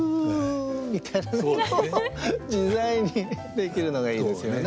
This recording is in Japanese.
自在にできるのがいいですよね。